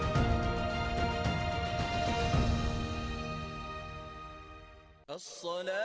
assalatu wassalamu alaikum